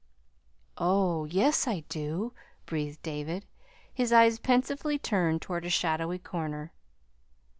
"Oh, yes, I do," breathed David, his eyes pensively turned toward a shadowy corner.